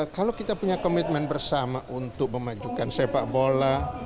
kalau kita punya komitmen bersama untuk memajukan sepak bola